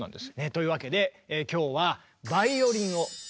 というわけで今日は「バイオリン」をテーマに。